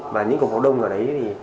và những cục máu đông ở đấy